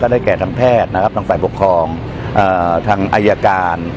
ก็ได้แก่ทั้งแพทย์ถทงฝ่ายปกครองถทงอายการ